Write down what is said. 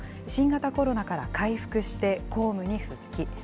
新型コロナから回復して公務に復帰。